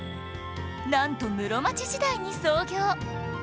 なんと室町時代に創業